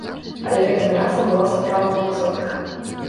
Але гэтым разам была сапраўдная экзотыка!